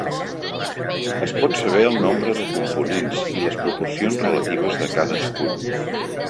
Es pot saber el nombre de components i les proporcions relatives de cadascun.